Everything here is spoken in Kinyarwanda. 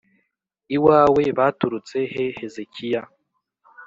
iwawe baturutse he Hezekiya